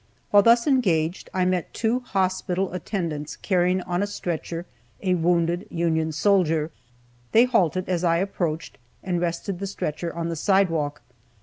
While thus engaged I met two hospital attendants carrying on a stretcher a wounded Union soldier. They halted as I approached, and rested the stretcher on the sidewalk.